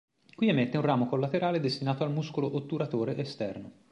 Qui emette un ramo collaterale destinato al muscolo otturatore esterno.